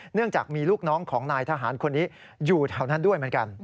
เนื่องจากมีลูกน้องของนายทหารคนนี้อยู่แถวนั้นด้วยเหมือนกัน